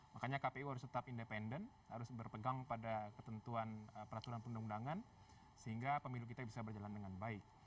makanya kpu harus tetap independen harus berpegang pada ketentuan peraturan perundang undangan sehingga pemilu kita bisa berjalan dengan baik